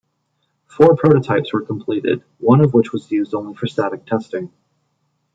Four prototypes were completed, one of which was used only for static testing.